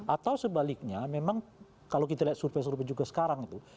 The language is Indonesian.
atau sebaliknya memang kalau kita lihat survei survei juga sekarang itu